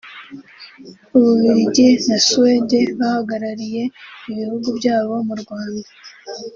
u Bubiligi na Suède bahagarariye ibihugu byabo mu Rwanda